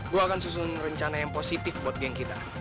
gue akan susun rencana yang positif buat geng kita